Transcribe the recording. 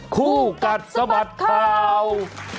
คู่กัดสะบัดข่าว